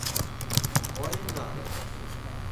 Вольно...